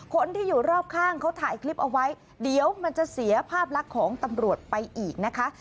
คนที่อยู่รอบข้างเขาถ่ายคลิปเอาไว้เดี๋ยวมันจะเสียภาพลักษณ์ของตำรวจไปอีกนะคะ